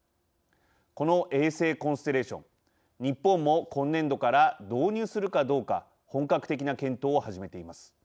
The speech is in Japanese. この衛星コンステレーション日本も今年度から導入するかどうか本格的な検討を始めています。